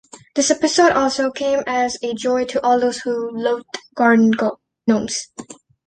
This episode also came as a joy to all those who loathe garden gnomes.